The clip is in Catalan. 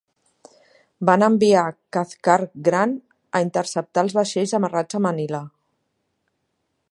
Van enviar Cathcart Grant a interceptar els vaixells amarrats a Manila.